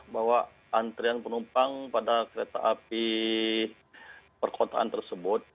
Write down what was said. bahwa antrian penumpang pada kereta api perkotaan tersebut